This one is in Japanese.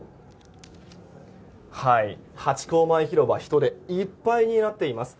ハチ公前広場人でいっぱいになっています。